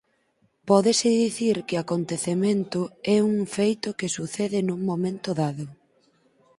Pódese dicir que acontecemento é un feito que sucede nun momento dado.